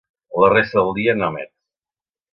La resta del dia no emet.